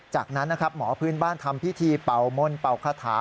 จากนั้นนะครับหมอพื้นบ้านทำพิธีเป่ามนต์เป่าคาถา